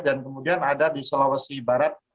dan kemudian ada di sulawesi barat